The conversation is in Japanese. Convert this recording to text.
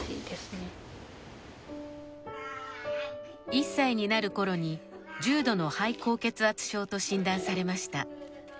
１歳になるころに重度の肺高血圧症と診断されました。